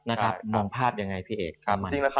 มองภาพยังไงพี่เอก